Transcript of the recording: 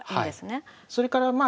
それからまあ